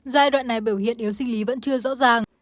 giai đoạn này biểu hiện yếu sinh lý vẫn chưa rõ ràng